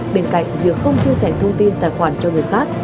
bên cạnh việc không chia sẻ thông tin tài khoản cho người khác